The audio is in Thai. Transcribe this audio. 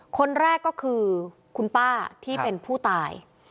คนแรกก็คือคุณป้าที่เป็นผู้ตาย